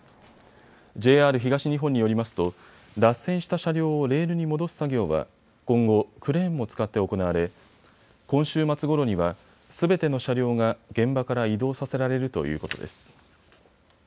ＪＲ東日本によりますと脱線した車両をレールに戻す作業は今後、クレーンも使って行われ今週末ごろには、すべての車両が現場から移動させられるということです。